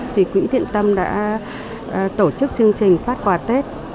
thì quỹ thiện tâm đã tổ chức chương trình phát quà tết